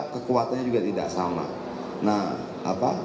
kekuatannya juga tidak sama